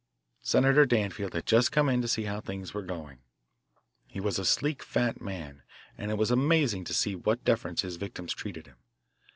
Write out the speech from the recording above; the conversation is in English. Senator Danfield had just come in to see how things were going. He was a sleek, fat man, and it was amazing to see with what deference his victims treated him.